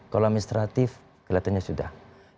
kalau administratif kelihatannya sudah